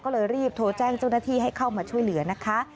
ก็เลยรีบโทรแจ้งเจ้าหน้าที่ให้เข้ามาช่วยเหลือนะคะ